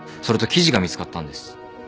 それと記事が見つかったんです。